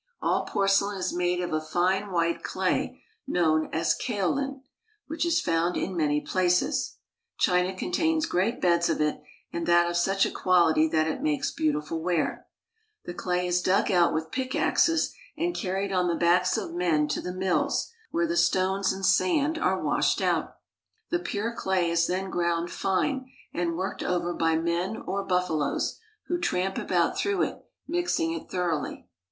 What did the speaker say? All porcelain is made of a fine white clay known as kaolin, which is found in many places. China contains great beds of it, and that of such a quality that it makes beautiful ware. The clay is dug out with pickaxes and I/O CURIOUS CHINESE CUSTOMS carried on the backs of men to the mills, where the stones and sand are washed out. The pure clay is then ground fine and worked over by men or buffaloes, who tramp about through it, mixing it thoroughly.